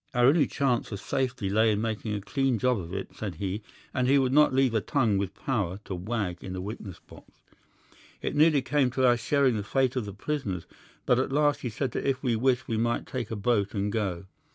Our only chance of safety lay in making a clean job of it, said he, and he would not leave a tongue with power to wag in a witness box. It nearly came to our sharing the fate of the prisoners, but at last he said that if we wished we might take a boat and go.